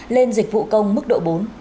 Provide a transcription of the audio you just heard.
lên dịch vụ công mức độ bốn